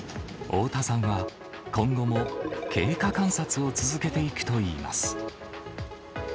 太田さんは、今後も経過観察を続けていくといいます。